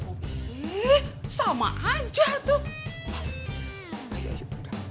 eh sama aja tuh